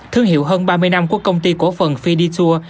thương hiệu hơn ba mươi năm của công ty cổ phần fiditur